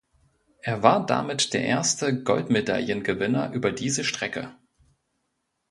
Er war damit der erste Goldmedaillengewinner über diese Strecke.